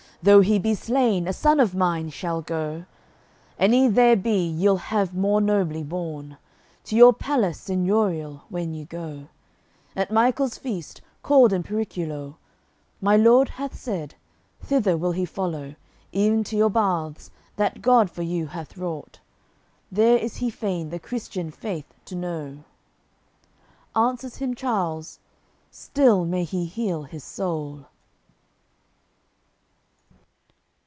Though he be slain, a son of mine shall go, Any there be you'll have more nobly born. To your palace seigneurial when you go, At Michael's Feast, called in periculo; My Lord hath said, thither will he follow Ev'n to your baths, that God for you hath wrought; There is he fain the Christian faith to know." Answers him Charles: "Still may he heal his soul."